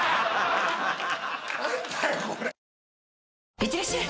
いってらっしゃい！